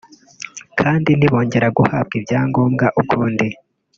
kandi ntibongere guhabw a ibyangombwa ukundi